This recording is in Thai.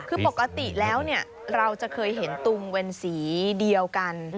คือปกติแล้วเราจะเคยเห็นตุงเวรสีเดียวกัน